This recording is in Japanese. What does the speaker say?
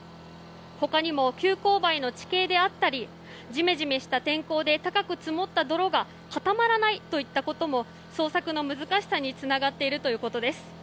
他にも急勾配の地形であったりジメジメとした天候で高く積もった泥が固まらないといったことも捜索の難しさにつながっているということです。